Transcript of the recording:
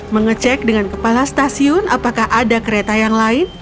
mengecek dengan kepala stasiun apakah ada kereta yang lain